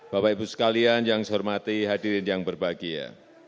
bapak ibu sekalian yang saya hormati hadirin yang berbahagia